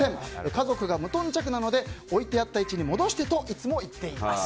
家族が無頓着なので置いてあった位置に戻して！と、いつも言っています。